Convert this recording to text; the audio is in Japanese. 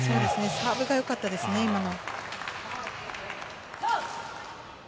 サーブがよかったですね、今の。